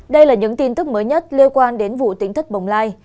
đây là những tin tức mới nhất liên quan đến vụ tính thất bồng lai